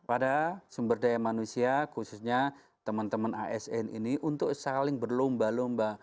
pada sumber daya manusia khususnya teman teman asn ini untuk saling berlomba lomba